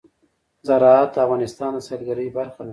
زراعت د افغانستان د سیلګرۍ برخه ده.